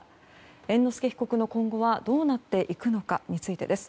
猿之助被告の今後はどうなっていくのかについてです。